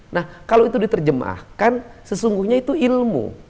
nah kalau itu diterjemahkan sesungguhnya itu ilmu